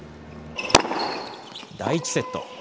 第１セット。